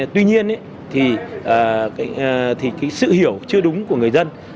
tuy nhiên thì cái sự hiểu chưa đúng của người dân